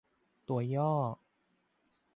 ตัวย่อ